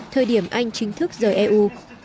thời điểm anh chính thức rời eu